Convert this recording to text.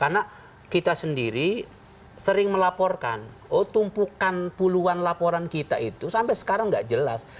karena kita sendiri sering melaporkan oh tumpukan puluhan laporan kita itu sampai sekarang gak jelas